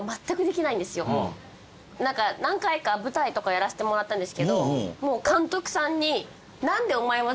何回か舞台とかやらせてもらったんですけどもう監督さんに。